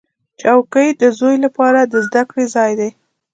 چوکۍ د زوی لپاره د زده کړې ځای دی.